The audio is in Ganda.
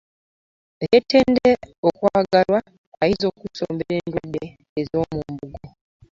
Eyetenda okwagalwa ayinza okwesombera endwadde ez'omu mbugo .